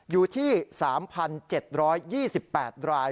อยู่ที่๓๗๒๘ราย